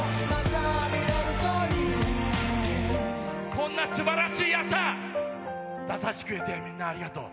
こんなすばらしい朝、出させてくれてみんな、ありがとう。